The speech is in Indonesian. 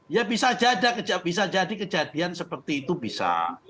ya bisa jadi kejadian seperti itu bisa